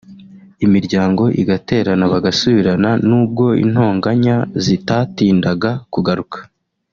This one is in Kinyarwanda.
imiryango igaterana bagasubirana n’ubwo intonganya zitatindaga kugaruka